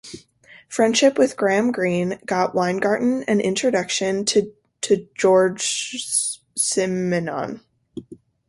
Friendship with Graham Greene got Weingarten an introduction to Georges Simenon.